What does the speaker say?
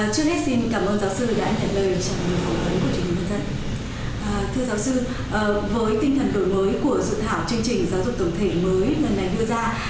thưa giáo sư với tinh thần đổi mới của dự thảo chương trình giáo dục tổng thể mới lần này đưa ra